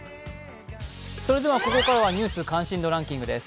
ここからは「ニュース関心度ランキング」です。